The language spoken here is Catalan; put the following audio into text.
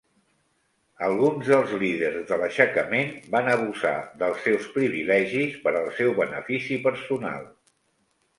Alguns dels líders de l'aixecament van abusar dels seus privilegis per al seu benefici personal.